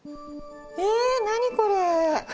えっ何これ？